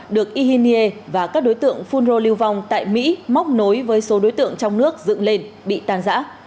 được ihinie và các đối tượng phun rô lưu vong tại mỹ móc nối với số đối tượng trong nước dựng lên bị tàn giã